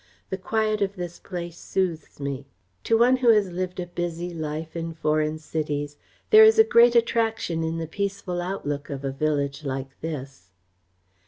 The quiet of this place soothes me. To one who has lived a busy life in foreign cities, there is a great attraction in the peaceful outlook of a village like this."